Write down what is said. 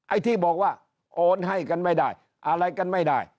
ไอ้ที่บอกว่าโอนให้กันไม่ได้อะไรกันไม่ได้